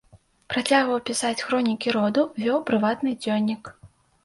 Працягваў пісаць хроніку роду, вёў прыватны дзённік.